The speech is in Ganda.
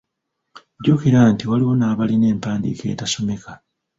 Jjukira nti waliwo n'abalina empandiika etasomeka.